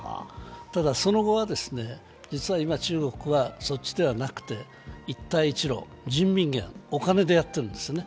ただ、その後は、実は今中国はそっちではなくて、一帯一路、人民元、お金でやっているんですね。